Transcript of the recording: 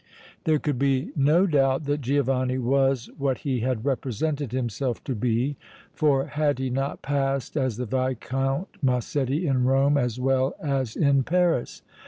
There could be no doubt that Giovanni was what he had represented himself to be, for had he not passed as the Viscount Massetti in Rome as well as in Paris?